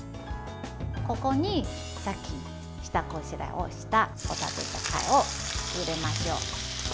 ここにさっき下ごしらえをした帆立てを入れましょう。